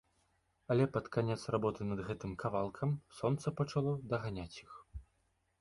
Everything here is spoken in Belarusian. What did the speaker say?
Але пад канец работы над гэтым кавалкам сонца пачало даганяць іх.